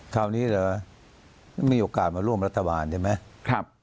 คราวนี้เหรอมีโอกาสมาร่วมรัฐบาลใช่ไหม